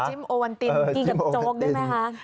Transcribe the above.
โอวันตินกินกับโจ๊กด้วยไหมคะ